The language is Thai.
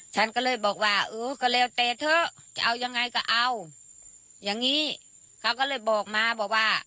ฉันก็เลยบอกว่าเออก็แล้วแต่เถอะจะเอายังไงก็เอาอย่างนี้เขาก็เลยบอกมาบอกว่า